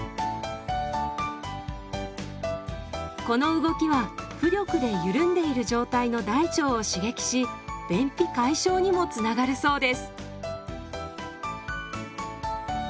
この動きは浮力で緩んでいる状態の大腸を刺激し便秘解消にもつながるそうです。